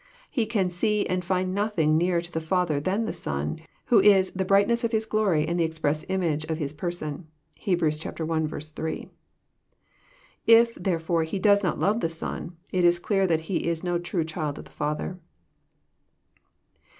He can see and tind nothing nearer to the Father than the Son, who is the fori.s:ht ness of His glory and the express image of His person." (Heb. L 8.) If, therefore, he does not love the Son, it is clear that he is no tme child of the Father.